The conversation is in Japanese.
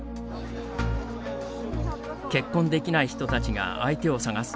結婚できない人たちが相手を探す